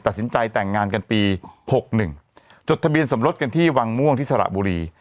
ตัดสินใจแต่งงานกันปี๖๑จดทะเบียนสมรสกันที่วังม่วงที่สระบุรี